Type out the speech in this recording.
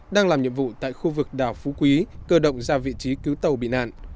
đang làm nhiệm vụ tại khu vực đảo phú quý cơ động ra vị trí cứu tàu bị nạn